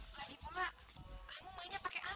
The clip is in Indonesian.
lagi pula kamu mainnya pakai apa